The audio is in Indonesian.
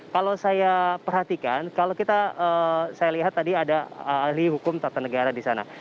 kalau saya perhatikan kalau kita saya lihat tadi ada ahli hukum tata negara di sana